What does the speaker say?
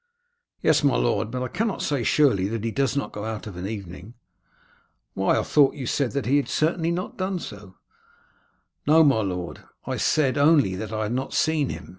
"Yes, my lord. But I cannot say surely that he does not go out of an evening." "Why, I thought you said that he certainly had not done so?" "No, my lord; I said only that I had not seen him.